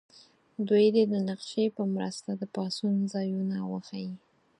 دوی دې د نقشې په مرسته د پاڅون ځایونه وښیي.